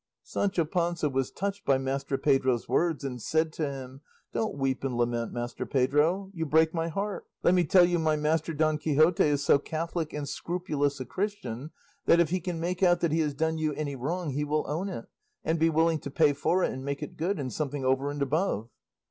Sancho Panza was touched by Master Pedro's words, and said to him, "Don't weep and lament, Master Pedro; you break my heart; let me tell you my master, Don Quixote, is so catholic and scrupulous a Christian that, if he can make out that he has done you any wrong, he will own it, and be willing to pay for it and make it good, and something over and above."